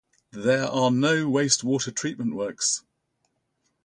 There are no wastewater treatment works.